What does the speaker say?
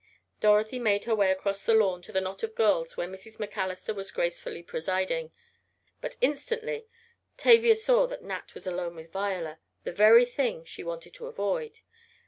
Dorothy made her way across the lawn to the knot of girls where Mrs. MacAllister was gracefully presiding. But instantly Tavia saw that Nat was alone with Viola the very thing she wanted to avoid.